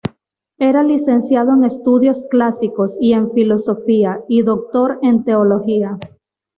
Era licenciado en Estudios clásicos y en Filosofía, y doctor en Teología.